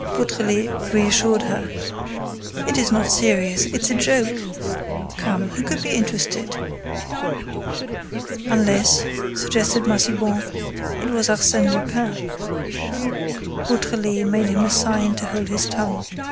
Beautrelet reassured her: "It is not serious—it's a joke. Come, who could be interested?" "Unless," suggested Massiban, "it was Arsène Lupin." Beautrelet made him a sign to hold his tongue.